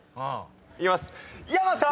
いきます。